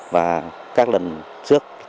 và các lần trước